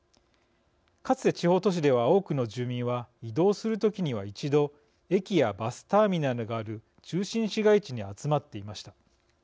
かつて地方都市では多くの住民は、移動する時には一度、駅やバスターミナルがある中心市街地に集まっていました。